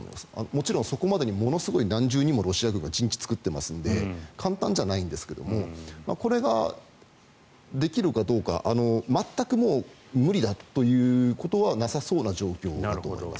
もちろんそこまでに何重にもロシア軍が陣地を作っていますので簡単ではないんですがこれができるかどうか全くもう無理だということはなさそうな状況だと思います。